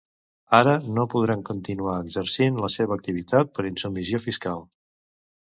Ara, no podran continuar exercint la seva activitat per insubmissió fiscal.